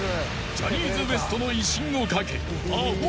［ジャニーズＷＥＳＴの威信をかけ］